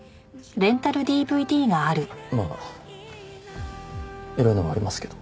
まあエロいのもありますけど。